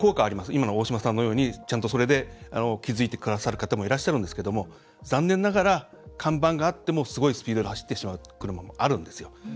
今の大島さんのようにちゃんと、それで気付いてくださる方もいるんですが残念ながら看板があってもすごいスピードで走ってしまう車もあるんです。